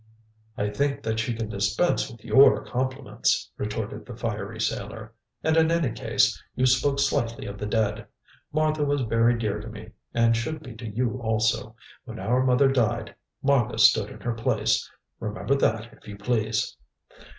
"I think that she can dispense with your compliments," retorted the fiery sailor; "and, in any case, you spoke slightly of the dead. Martha was very dear to me, and should be to you also. When our mother died, Martha stood in her place. Remember that, if you please."